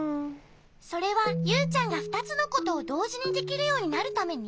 それはユウちゃんがふたつのことをどうじにできるようになるために？